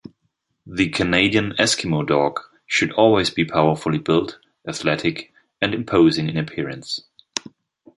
The Canadian Eskimo Dog should always be powerfully built, athletic, and imposing in appearance.